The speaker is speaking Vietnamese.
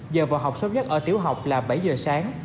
giờ vào học sớm nhất ở tiểu học là bảy giờ sáng